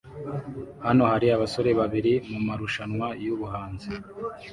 Hano hari abasore babiri mumarushanwa yubuhanzi